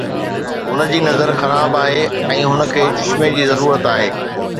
هن جي نظر خراب آهي ۽ هن کي چشمي جي ضرورت آهي